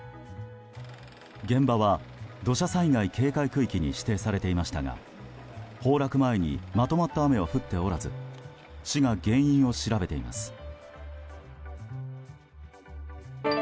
現場は土砂災害警戒区域に指定されていましたが崩落前にまとまった雨は降っておらず市が原因を調べています。